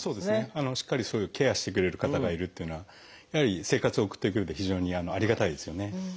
しっかりそういうケアしてくれる方がいるっていうのはやはり生活を送っていくうえで非常にありがたいですよね。